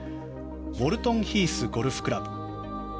ウォルトンヒースゴルフクラブ。